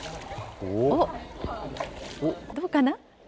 おっ、どうかな？